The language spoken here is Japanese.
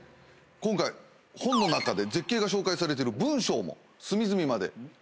今回本の中で絶景が紹介されてる文章も隅々まで読みました。